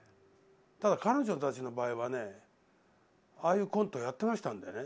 ただ彼女たちの場合はねああいうコントやってましたんでね